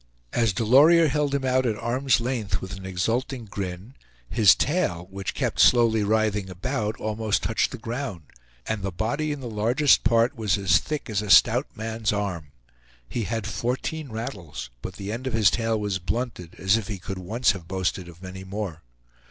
As Delorier held him out at arm's length with an exulting grin his tail, which still kept slowly writhing about, almost touched the ground, and the body in the largest part was as thick as a stout man's arm. He had fourteen rattles, but the end of his tail was blunted, as if he could once have boasted of many more.